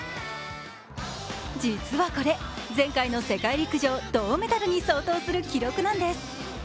実はこれ、前回の世界陸上銅メダルに相当する記録なんです。